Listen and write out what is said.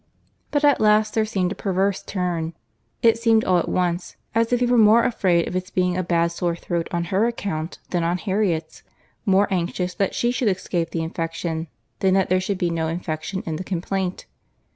But at last there seemed a perverse turn; it seemed all at once as if he were more afraid of its being a bad sore throat on her account, than on Harriet's—more anxious that she should escape the infection, than that there should be no infection in the complaint.